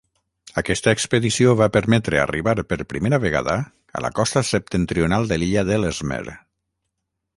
Aquesta expedició va permetre arribar per primera vegada a la costa septentrional de l'illa d'Ellesmere.